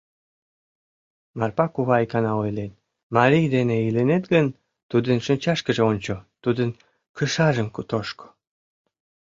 Марпа кува икана ойлен: «Марий дене илынет гын, тудын шинчашкыже ончо, тудын кышажым тошко».